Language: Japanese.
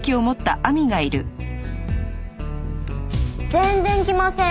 全然来ません。